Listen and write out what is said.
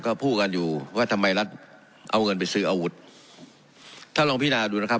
ก็พูดกันอยู่ว่าทำไมรัฐเอาเงินไปซื้ออาวุธถ้าลองพินาดูนะครับ